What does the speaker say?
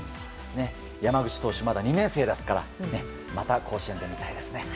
山口投手、まだ２年生ですからまた甲子園で見たいですね。